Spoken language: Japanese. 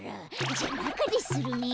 じゃなかでするね。